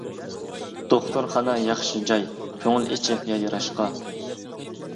دوختۇرخانا ياخشى جاي، كۆڭۈل ئېچىپ يايراشقا.